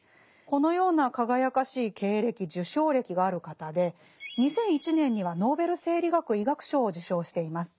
このような輝かしい経歴・受賞歴がある方で２００１年にはノーベル生理学・医学賞を受賞しています。